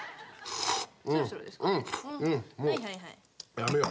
やめよう。